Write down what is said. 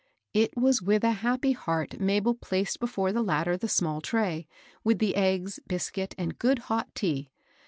It was with a happy heart Mabel placed before the latter the small tray, with the e^s, biscmt, and good hot tea.